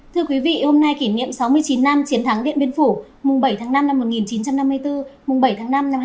thưa quý vị hôm nay kỷ niệm sáu mươi chín năm chiến thắng điện biên phủ mùng bảy tháng năm năm một nghìn chín trăm năm mươi bốn mùng bảy tháng năm năm hai nghìn hai mươi